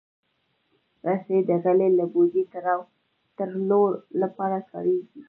رسۍ د غلې له بوجۍ تړلو لپاره کارېږي.